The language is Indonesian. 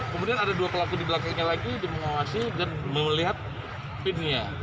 kemudian ada dua pelaku di belakangnya lagi dimengawasi dan melihat pin nya